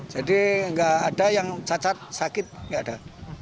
jadi nggak ada yang cacat sakit nggak ada